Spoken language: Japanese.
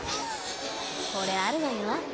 これあるわよ？